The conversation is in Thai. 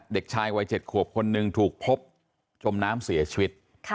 เด็กชายวัย๗ขวบคนหนึ่งถูกพบจมน้ำเสียชีวิต